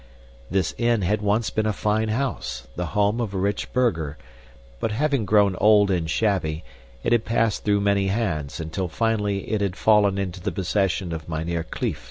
This inn had once been a fine house, the home of a rich burgher, but having grown old and shabby, it had passed through many hands, until finally it had fallen into the possession of Mynheer Kleef.